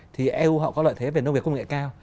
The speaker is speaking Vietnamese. thì eu họ có lợi thế về nông nghiệp công nghệ cao